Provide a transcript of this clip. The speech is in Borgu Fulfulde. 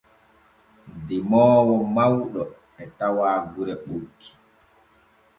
Demoowo mawɗo e tawa gure ɓokki.